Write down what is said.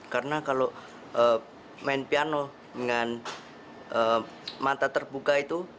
karena kalau main piano dengan mata terbuka itu